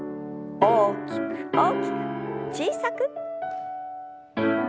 大きく大きく小さく。